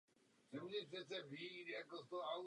Nastínili jsme mu své hlavní výtky.